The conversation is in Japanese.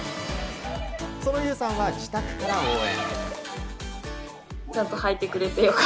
その優さんは自宅から応援。